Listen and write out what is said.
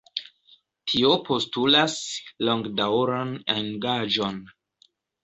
Tio postulas longdaŭran engaĝon.